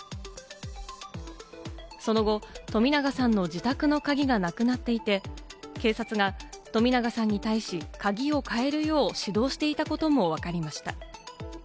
その後、冨永さんの自宅の鍵がなくなっていて、警察が冨永さんに対し、鍵を変えるよう指導していたこともわかりました。